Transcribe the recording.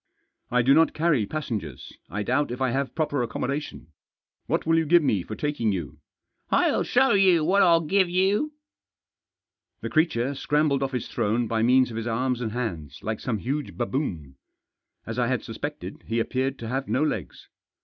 " I do not carry passengers. I doubt if I have proper accommodation. What will you give me for taking you ?"" Fll show you what Fll give you." The creature scrambled off his throne by means of his arms and hands, like some huge baboon. As I had suspected, he appeared to have no legs.